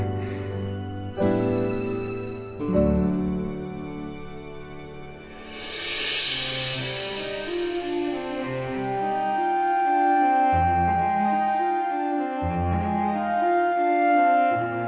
salam kukucuk tante yuk